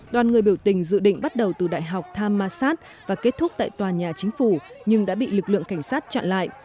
đoàn người biểu tình dự định bắt đầu từ đại học times masat và kết thúc tại tòa nhà chính phủ nhưng đã bị lực lượng cảnh sát chặn lại